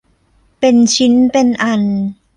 เป็นชิ้นเป็นอัน